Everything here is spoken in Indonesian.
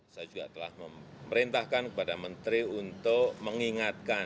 saya juga telah memerintahkan kepada menteri untuk mengingatkan